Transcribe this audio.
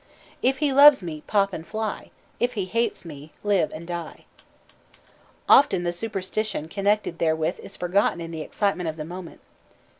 "If he loves me, pop and fly; If he hates me, live and die." Often the superstition connected therewith is forgotten in the excitement of the moment.